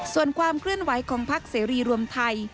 ส่วนความเคลื่อนไหวของพักเสรีรวมไทย